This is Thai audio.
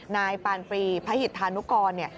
นายปานปรีพระหิตธานุกรเนี่ย